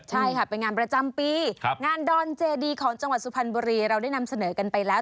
ใช่ค่ะเป็นงานประจำปีงานดอนเจดีของจังหวัดสุพรรณบุรีเราได้นำเสนอกันไปแล้ว